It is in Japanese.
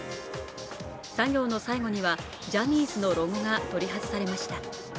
作業の最後には、ジャニーズのロゴが取り外されました。